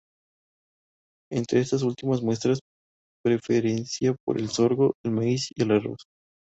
Entre estas últimas muestra preferencia por el sorgo, el maíz y el arroz.